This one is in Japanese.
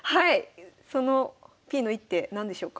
そのＰの一手何でしょうか？